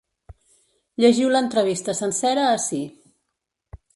Llegiu l’entrevista sencera ací.